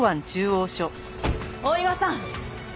大岩さん！